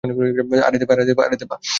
আরে, দেবা!